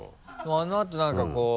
あのあと何かこう。